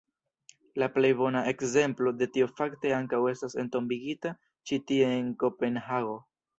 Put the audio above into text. La plej bona ekzemplo de tio fakte ankaŭ estas entombigita ĉi tie en Kopenhago.